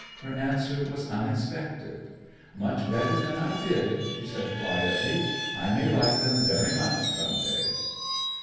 her answer was unexpected. 'Much better than I did,' she said, quietly. 'I may like them very much some day.'